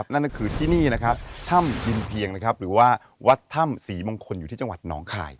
นั่นก็คือที่นี่นะครับถ้ำทินเพียงนะครับหรือว่าวัดถ้ำศรีมงคลอยู่ที่จังหวัดหนองคาย